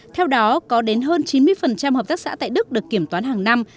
theo đó có đến hơn chín mươi hợp tác xã tại đức được kiểm toán hàng năm